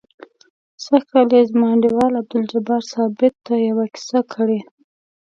سږ کال یې زما انډیوال عبدالجبار ثابت ته یوه کیسه کړې.